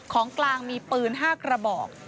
ของกลางมีปืน๕กระบอก